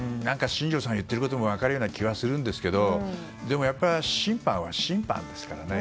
新庄さんが言っていることも分かるような気もするんですけど審判は審判ですからね。